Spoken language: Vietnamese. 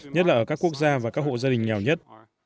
nhất là ở các quốc gia và các hộ gia đình nghèo nhất